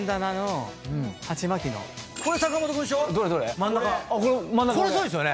これ坂本君でしょ？